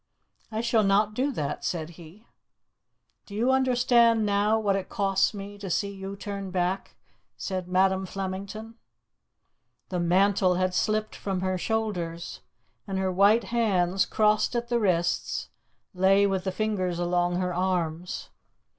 "I shall not do that," said he. "Do you understand now what it costs me to see you turn back?" said Madam Flemington. The mantle had slipped from her shoulders, and her white hands, crossed at the wrists, lay with the fingers along her arms.